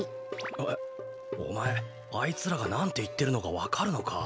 えおまえあいつらがなんていってるのかわかるのか？